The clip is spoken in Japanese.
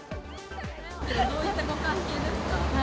どういったご関係ですか？